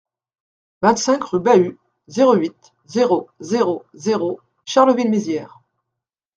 vingt-cinq rue Bahut, zéro huit, zéro zéro zéro Charleville-Mézières